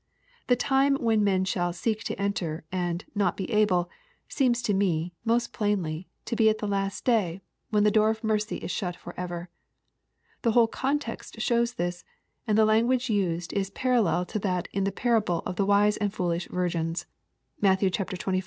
The time when men shall " seek to enter," and *' not be able," seems to me, most plainly, to be at the last day, when the door of mercy is shut for ever. The ^ hole context shows this, find the language used is parallel to that in the perable of the wise and foolish virgins. (Matt xxv.